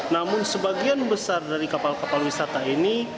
namun sebagian besar dari kapal kapal wisata ini